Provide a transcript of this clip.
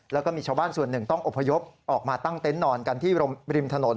แล้วก็มีชาวบ้านส่วนหนึ่งต้องอบพยพออกมาตั้งเต็นต์นอนกันที่ริมถนน